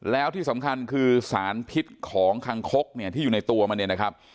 แล้วที่สำคัญคือสารพิษของคังคกเนี่ยที่อยู่ในตัวมันเนี่ยนะครับ